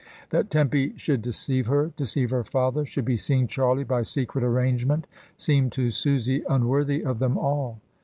That Tempy should deceive her, deceive her father, should be seeing Charlie by secret arrangement, seemed to Susy unworthy of them all.